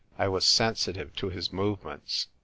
I was sensitive to his movements.